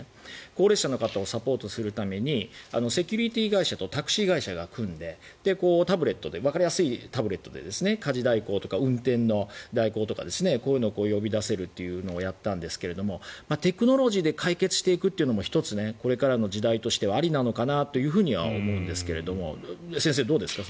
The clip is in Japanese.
高齢者の方をサポートするためにセキュリティー会社とタクシー会社が組んでわかりやすいタブレットで家事代行とか運転の代行とか呼び出せるっていうのをやったんですがテクノロジーで解決していくのも１つ、これからの時代としてはありなのかなとは思うんですが先生、どうですか？